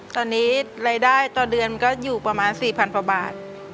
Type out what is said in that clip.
ตอนนี้รายได้ต่อเดือนก็อยู่ประมาณ๔๐๐๐กว่าบาท